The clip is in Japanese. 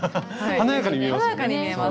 華やかに見えます。